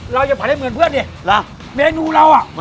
เราจะผัดเล่นเหมือนเพื่อนเลยเมนูเรา